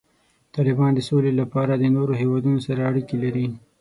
طالبان د سولې لپاره د نورو هیوادونو سره اړیکې لري.